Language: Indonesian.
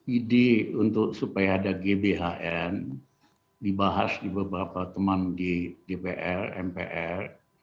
ide untuk supaya ada gbhn dibahas di beberapa teman di dpr mpr